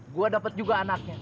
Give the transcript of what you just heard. gua dapet juga anaknya